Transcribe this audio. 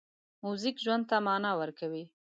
موزیک ژوند ته مانا ورکوي.